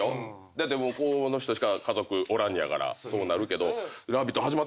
だってこの人しか家族おらんのやからそうなるけど。